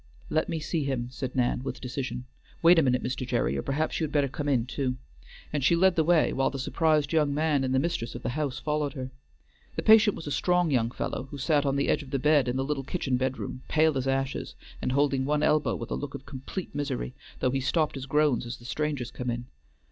"Let me see him," said Nan with decision. "Wait a minute, Mr. Gerry, or perhaps you had better come in too," and she led the way, while the surprised young man and the mistress of the house followed her. The patient was a strong young fellow, who sat on the edge of the bed in the little kitchen bedroom, pale as ashes, and holding one elbow with a look of complete misery, though he stopped his groans as the strangers came in.